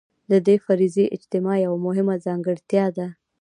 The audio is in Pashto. د دې فرضي اجتماع یوه مهمه ځانګړتیا ده.